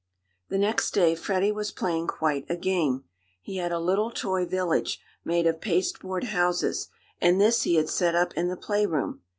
The next day Freddie was playing quite a game. He had a little toy village, made of pasteboard houses, and this he had set up in the playroom.